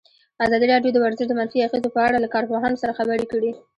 ازادي راډیو د ورزش د منفي اغېزو په اړه له کارپوهانو سره خبرې کړي.